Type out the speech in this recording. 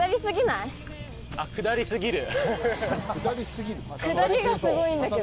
下り過ぎる？